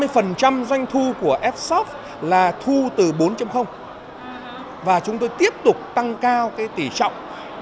chúng tôi là một doanh nghiệp khu từ bốn và chúng tôi tiếp tục tăng cao tỷ trọng bốn